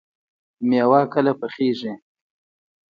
مېوه کله پخیږي؟